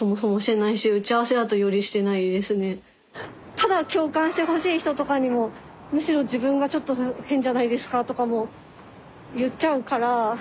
ただ共感してほしい人とかにもむしろ自分がちょっと変じゃないですかとかも言っちゃうから。